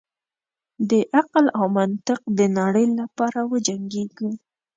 د عقل او منطق د نړۍ لپاره وجنګیږو.